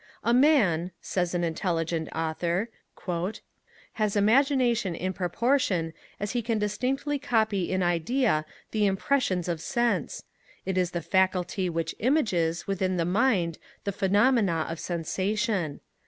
'A man,' says an intelligent author, 'has imagination in proportion as he can distinctly copy in idea the impressions of sense: it is the faculty which images within the mind the phenomena of sensation.